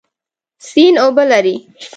سیند اوبه لري.